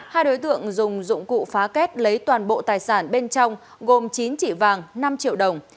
hai đối tượng dùng dụng cụ phá kết lấy toàn bộ tài sản bên trong gồm chín chỉ vàng năm triệu đồng